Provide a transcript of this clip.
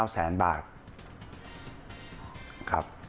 ๙แสนบาท